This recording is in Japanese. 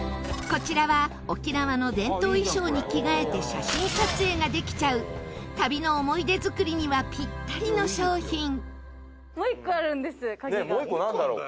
こちらは沖縄の伝統衣装に着替えて写真撮影ができちゃう旅の思い出作りにはぴったりの商品玉井：「もう１個あるんです鍵が」